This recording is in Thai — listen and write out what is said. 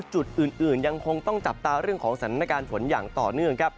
จุดอื่นยังคงต้องจับตาเรื่องของสถานการณ์ฝนอย่างต่อเนื่องครับ